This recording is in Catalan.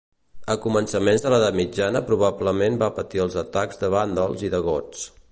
A començaments de l'edat mitjana probablement va patir els atacs de vàndals i de gots.